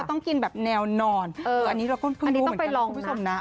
ก็ต้องกินแบบแนวนอนอันนี้เราก็เพิ่งดูเหมือนกันครับคุณผู้ชมนะ